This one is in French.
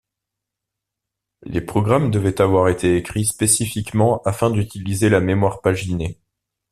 Les programmes devaient avoir été écrits spécifiquement afin d'utiliser la mémoire paginée.